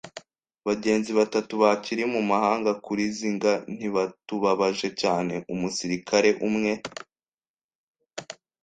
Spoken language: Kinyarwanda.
bagenzi batatu bakiri mumahanga kurizinga ntibatubabaje cyane; umusirikare umwe